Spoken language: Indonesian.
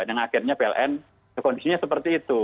dan akhirnya pln kondisinya seperti itu